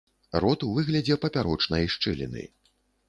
Рот у выглядзе папярочнай шчыліны.